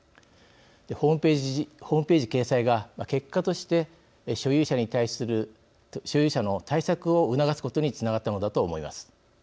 ホームページ掲載が結果として所有者の対策を促すことにつながったのだと思います。